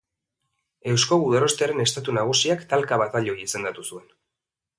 Eusko Gudarostearen Estatu Nagusiak talka batailoi izendatu zuen.